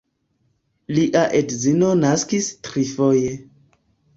Lia edzino naskis trifoje.